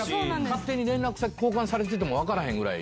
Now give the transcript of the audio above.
勝手に連絡先交換されてても分からへんぐらい。